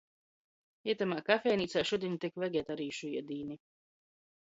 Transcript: Itamā kafejneicā šudiņ tik vegetarīšu iedīni.